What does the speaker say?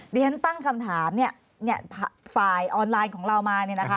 เรียนตั้งคำถามฝ่ายออนไลน์ของเรามา